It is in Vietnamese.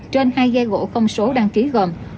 trên hai ghe gỗ không số đăng ký gồm